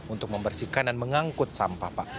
untuk membersihkan dan mengangkut sampah pak